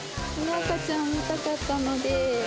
赤ちゃんを見たかったので。